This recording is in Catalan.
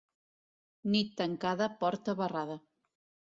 Nit tancada, porta barrada.